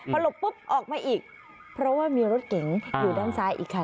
พอหลบปุ๊บออกมาอีกเพราะว่ามีรถเก๋งอยู่ด้านซ้ายอีกคัน